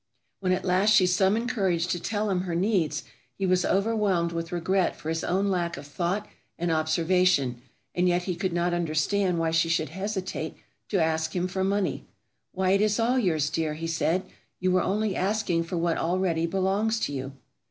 When at last she summoned courage to tell him her needs, he was overwhelmed with regret for his own lack of thought and observation, and yet he could not understand why she should hesitate to ask for money. "Why, it is all yours, dear," he said. "You were only asking for what already belongs to you."